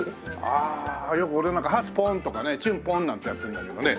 ああよく俺なんか「ハツポン」とかね「チュンポン」なんてやってんだけどね